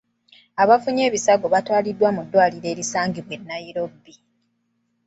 Abafunye ebisago baatwalibwa mu ddwaliro erisangibwa e Nebbi.